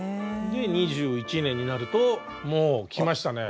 で２１年になるともうきましたね